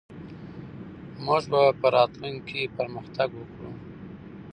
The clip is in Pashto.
موږ به په راتلونکي کې پرمختګ وکړو.